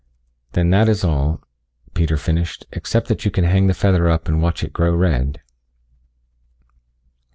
"Then that is all," Peter finished, "except that you can hang the feather up and watch it grow red."